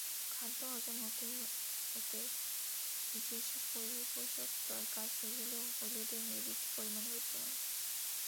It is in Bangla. খাদ্য হজম হতে যেসব পরিপোষক দরকার, সেগুলো হলুদে নির্দিষ্ট পরিমাণে বিদ্যমান।